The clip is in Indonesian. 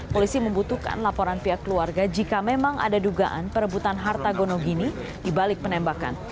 polisi membutuhkan laporan pihak keluarga jika memang ada dugaan perebutan harta gonogini di balik penembakan